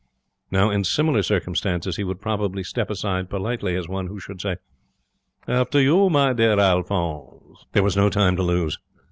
Now, in similar circumstances, he would probably step aside politely, as who should say, 'After you, my dear Alphonse.' There was no time to lose.